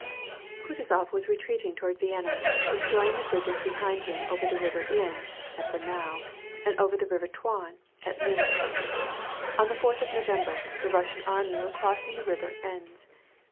KuTuzop was retreating toward Vienna, destroying the bridges behind him over the river Inn (at Braunau), and over the river Traun at Linz. On the fourth of November, the Russian army were crossin|» the river Enns.